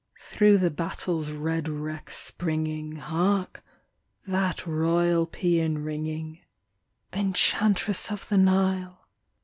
Through the battle's red wreck springing Hark ! that royal paean ringing : "Enchantress of the Nile!"